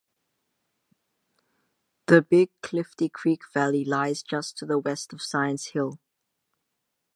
The Big Clifty Creek Valley lies just to the west of Science Hill.